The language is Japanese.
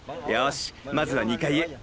よしまずは２階へ。